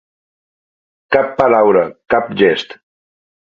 Cap paraula, cap gest.